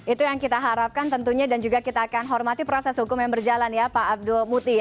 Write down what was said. itu yang kita harapkan tentunya dan juga kita akan hormati proses hukum yang berjalan ya pak abdul muti